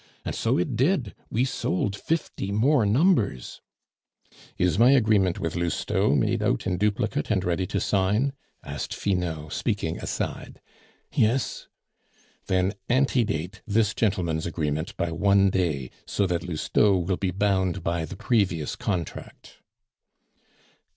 And so it did. We sold fifty more numbers." "Is my agreement with Lousteau made out in duplicate and ready to sign?" asked Finot, speaking aside. "Yes." "Then ante date this gentleman's agreement by one day, so that Lousteau will be bound by the previous contract."